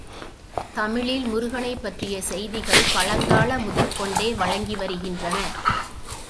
தமிழில் முருகனைப் பற்றிய செய்திகள் பழங்கால முதற் கொண்டே வழங்கி வருகின்றன.